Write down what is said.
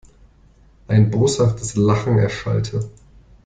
Ein boshaftes Lachen erschallte.